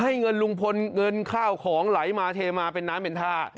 เงินลุงพลเงินข้าวของไหลมาเทมาเป็นน้ำเป็นท่า